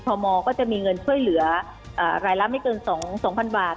มก็จะมีเงินช่วยเหลือรายละไม่เกิน๒๐๐๐บาท